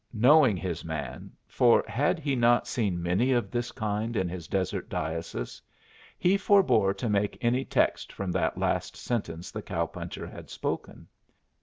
Knowing his man for had he not seen many of this kind in his desert diocese? he forbore to make any text from that last sentence the cow puncher had spoken.